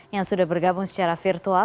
yang sudah bergabung secara virtual